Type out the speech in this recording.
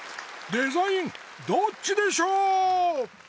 「デザインどっちでショー」！